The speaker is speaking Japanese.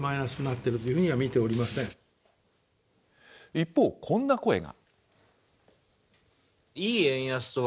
一方、こんな声が。